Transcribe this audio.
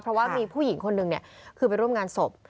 เพราะว่ามีผู้หญิงคนหนึ่งคือไปร่วมงานศพ